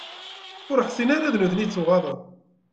Ur ḥsin ara d nutni i yettuɣaḍen.